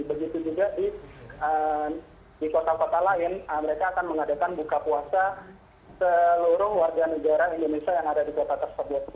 begitu juga di kota kota lain mereka akan mengadakan buka puasa seluruh warga negara indonesia yang ada di kota tersebut